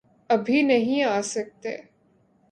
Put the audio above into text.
ابھی نہیں آسکتے۔۔۔